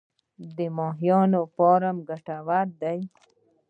د ماهیانو فارم ګټور دی؟